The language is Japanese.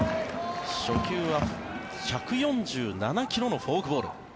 初球は１４７ｋｍのフォークボール。